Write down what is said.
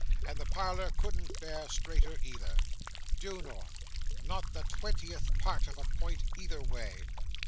And the parlour couldn't bear straighter either. Due north. Not the twentieth part of a point either way."